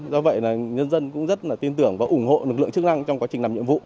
do vậy là nhân dân cũng rất tin tưởng và ủng hộ lực lượng chức năng trong quá trình làm nhiệm vụ